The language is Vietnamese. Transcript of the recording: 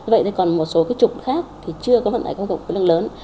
vậy còn một số trục khác thì chưa có vận đại công cộng khối lượng lớn